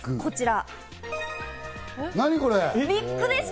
こちら。